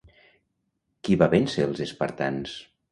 Qui va vèncer els espartans?